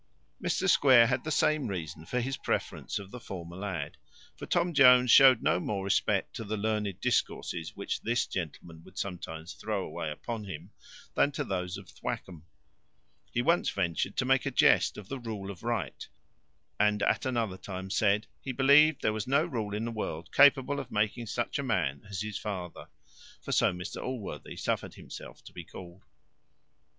Mr Square had the same reason for his preference of the former lad; for Tom Jones showed no more regard to the learned discourses which this gentleman would sometimes throw away upon him, than to those of Thwackum. He once ventured to make a jest of the rule of right; and at another time said, he believed there was no rule in the world capable of making such a man as his father (for so Mr Allworthy suffered himself to be called).